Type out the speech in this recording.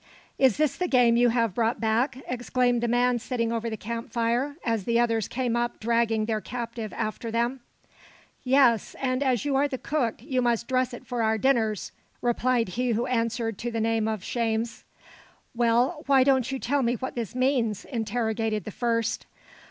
"Is this the game you have brought back?" exclaimed the man sitting over the camp fire, as the others came up dragging their captive after them. "Yes, and as you are the cook, you must dress it for our dinners," replied he who answered to the name of "Shames." "Well, why don't you tell me what this means?" interrogated the first.